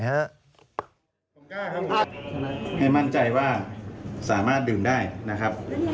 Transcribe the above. ให้มั่นใจว่าสามารถดื่มได้นะครับ